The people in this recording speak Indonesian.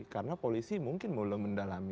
karena polisi mungkin belum mendalami